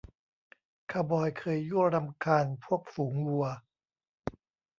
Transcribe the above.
คาวบอยเคยยั่วรำคาญพวกฝูงวัว